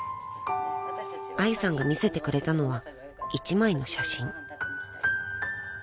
［愛さんが見せてくれたのは１枚の写真］